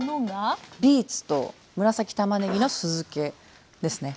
ビーツと紫たまねぎの酢漬けですね。